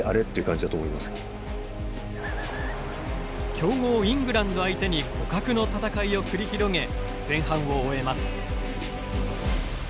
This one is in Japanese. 強豪イングランド相手に互角の戦いを繰り広げ前半を終えます。